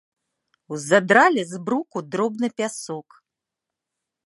Узадралі з бруку дробны пясок.